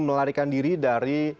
melarikan diri dari